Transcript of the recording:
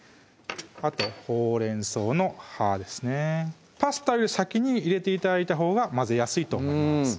あとほうれん草の葉ですねパスタより先に入れて頂いたほうが混ぜやすいと思います